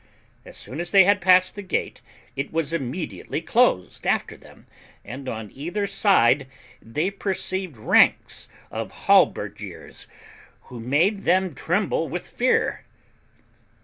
As soon as they had passed the gate it was immediately closed after them, and on either side they perceived ranks of halberdiers, who made them tremble with fear.